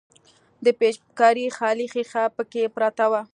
د پيچکارۍ خالي ښيښه پکښې پرته وه.